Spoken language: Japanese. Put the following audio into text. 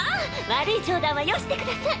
悪い冗談はよしてください。